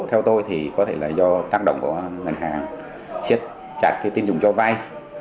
theo tôi thì có thể là do tác động của ngân hàng chết chặt cái tin dùng cho vai